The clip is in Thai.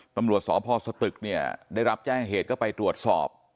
ตำรวจสพสตึกเนี่ยได้รับแจ้งเหตุก็ไปตรวจสอบ